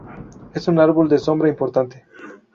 Es un árbol de sombra importante.